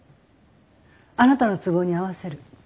あなたの都合に合わせる。